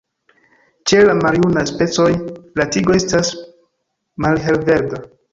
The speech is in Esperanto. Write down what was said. Ĉe la maljunaj specoj, la tigo estas malhelverda.